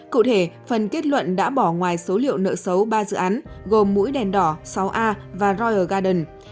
cụ thể phần kết luận đã bỏ ngoài số liệu nợ xấu ba dự án gồm mũi đèn đỏ sáu a và royer garden